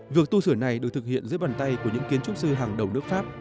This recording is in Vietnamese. việc tu sửa này được thực hiện dưới bàn tay của những kiến trúc sư hàng đầu nước pháp